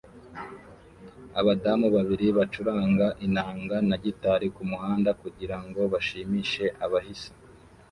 Abadamu babiri bacuranga inanga na gitari kumuhanda kugirango bashimishe abahisi